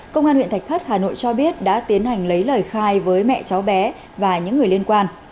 công an huyện thạch thất hà nội cho biết đã tiến hành lấy lời khai với mẹ cháu bé và những người liên quan